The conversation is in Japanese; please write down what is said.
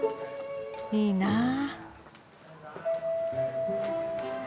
いいな。